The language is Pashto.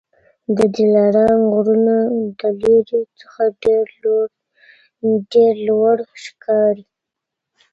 د دلارام غرونه د لیري څخه ډېر لوړ ښکاري